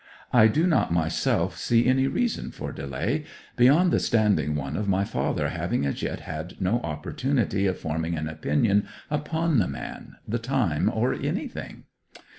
I do not myself see any reason for delay, beyond the standing one of my father having as yet had no opportunity of forming an opinion upon the man, the time, or anything.